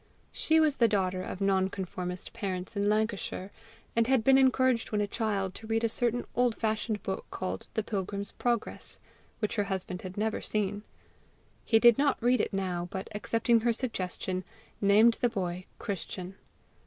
She was the daughter of nonconformist parents in Lancashire, and had been encouraged when a child to read a certain old fashioned book called The Pilgrim's Progress, which her husband had never seen. He did not read it now, but accepting her suggestion, named the boy Christian.